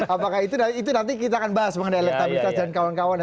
apakah itu nanti kita akan bahas mengenai elektabilitas dan kawan kawannya